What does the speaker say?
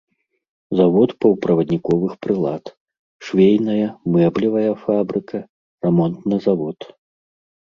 Завод паўправадніковых прылад, швейная, мэблевая фабрыка, рамонтны завод.